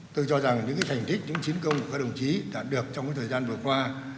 tôi cho rằng những thành tích những chiến công của các đồng chí đạt được trong thời gian vừa qua